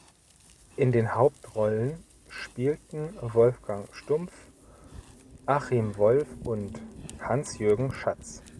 In den Hauptrollen spielten Wolfgang Stumph, Achim Wolff und Hans-Jürgen Schatz.